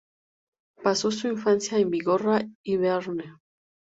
Pasó su infancia en Bigorra y Bearne.